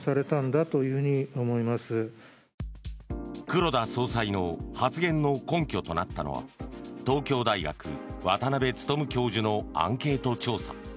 黒田総裁の発言の根拠となったのは東京大学、渡辺努教授のアンケート調査。